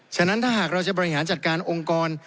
ฉะนั้นถ้าหากเราจะบริหารจัดการองค์กร